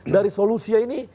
dari solusinya ini